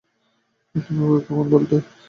তুমি আমাকে কখন বলতে?